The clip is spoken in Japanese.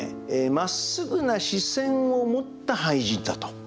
まっすぐな視線をもった俳人だと。